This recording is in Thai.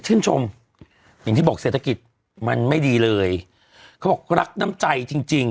อย่างที่บอกเศรษฐกิจมันไม่ดีเลยเขาบอกรักน้ำใจจริงจริง